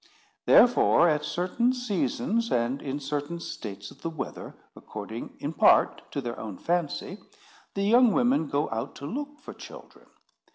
Therefore, at certain seasons, and in certain states of the weather, according, in part, to their own fancy, the young women go out to look for children.